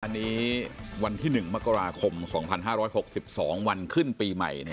วันนี้วันที่หนึ่งมกราคมสองพันห้าร้อยหกสิบสองวันขึ้นปีใหม่เนี่ย